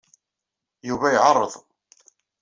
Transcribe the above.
Yuba iɛerreḍ.